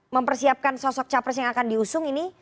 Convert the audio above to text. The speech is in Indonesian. mempersiapkan sosok capres yang akan diusung ini